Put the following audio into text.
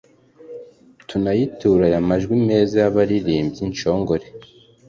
tunayiture aya majwi meza y'abalirimbyi nshongore ;